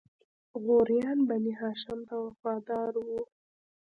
غوریان بنی هاشم ته وفادار وو.